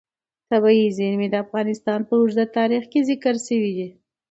طبیعي زیرمې د افغانستان په اوږده تاریخ کې ذکر شوی دی.